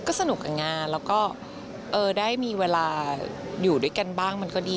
ก็สนุกกับงานแล้วก็ได้มีเวลาอยู่ด้วยกันบ้างมันก็ดี